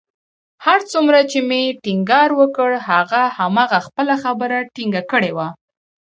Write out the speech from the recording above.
هر څومره چې مې ټينګار وکړ، هغه همهغه خپله خبره ټینګه کړې وه